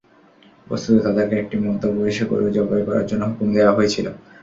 বস্তুত তাদেরকে একটি মধ্য বয়সী গরু যবেহ্ করার জন্যে হুকুম দেয়া হয়েছিল।